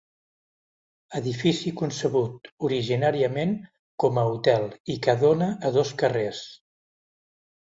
Edifici concebut originàriament com a hotel i que dóna a dos carrers.